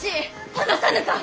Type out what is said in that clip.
離さぬか！